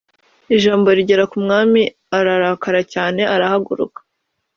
Ijambo rigera kumwami ararakara cyane arahaguruka